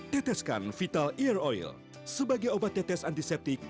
teteskan vital ear oil sebagai obat tetes antiseptik